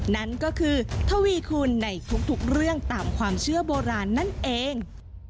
นั่นก็คือทวีคุณในทุกเรื่องตามความเชื่อโบราณนั่นเอง